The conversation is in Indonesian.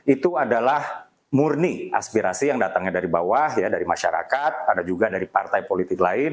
itu adalah murni aspirasi yang datangnya dari bawah ya dari masyarakat ada juga dari partai politik lain